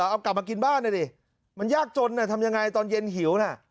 เอากลับมากินบ้านนะดิมันยากจนทำยังไงตอนเย็นหิวน่ะ